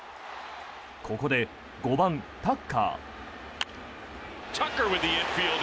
ここで５番、タッカー。